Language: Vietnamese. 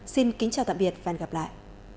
xin kính chào tạm biệt và hẹn gặp lại